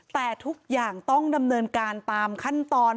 แต่ทุกอย่างต้องดำเนินการตามขั้นตอน